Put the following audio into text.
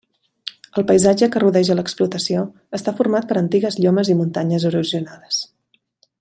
El paisatge que rodeja l'explotació està format per antigues llomes i muntanyes erosionades.